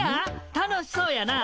楽しそうやなあ。